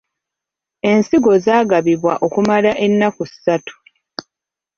Ensigo zaagabiddwa okumala ennaku ssatu.